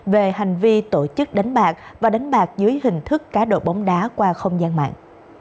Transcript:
về hành vi tổ chức đánh bạc và đánh bạc dưới hình thức cá độ bóng đá qua không gian mạng